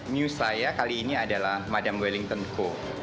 new saya kali ini adalah madam wellington co